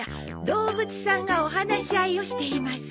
「どうぶつさんがお話し合いをしています」